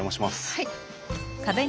はい。